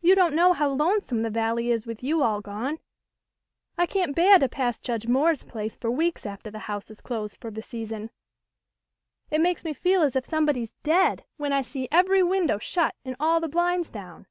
"You don't know how lonesome the Valley is with you all gone. I can't beah to pass Judge Moore's place for weeks aftah the house is closed for the season. It makes me feel as if somebody's dead when I see every win dow shut and all the blinds down.